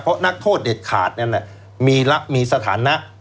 เพราะนักโทษเด็ดขาดนั้นมีสถานะ